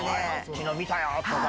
昨日見たよ！とか。